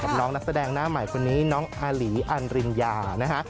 น้องนักแสดงหน้าใหม่คนนี้น้องอาหลีอันริญญานะฮะ